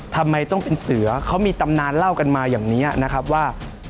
ทำไมต้องเป็นเสือเขามีตำนานเล่ากันมาอย่างนี้นะครับว่า